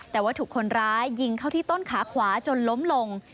แต่ว่าถูกคนร้ายยิงเข้าที่ต้นขาขวาจนล้มลง